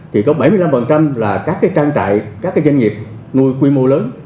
thì có bảy mươi năm là các trang trại các doanh nghiệp nuôi quy mô lớn